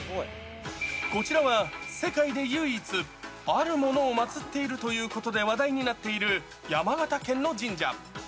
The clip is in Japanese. こちらは世界で唯一、あるものを祭っているということで話題になっている山形県の神社。